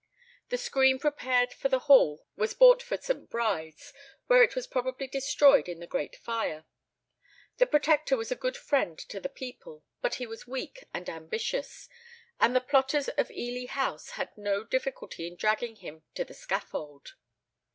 The screen prepared for the hall was bought for St. Bride's, where it was probably destroyed in the Great Fire. The Protector was a good friend to the people, but he was weak and ambitious, and the plotters of Ely House had no difficulty in dragging him to the scaffold.